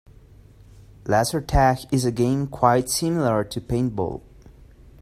Laser tag is a game quite similar to paintball.